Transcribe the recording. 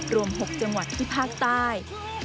รวม๖จังหวัดที่ภาคใต้